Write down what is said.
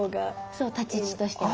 そう立ち位置としては。